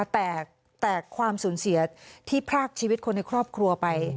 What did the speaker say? แต่ความสูญเสียที่พรากชีวิตคนในครอบครัวไป